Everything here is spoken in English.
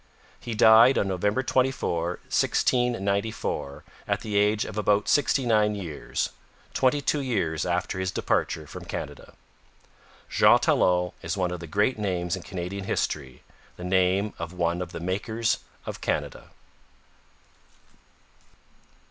He died on November 24, 1694, at the age of about sixty nine years, twenty two years after his departure from Canada. Jean Talon is one of the great names in Canadian history the name of one of the makers of Canada.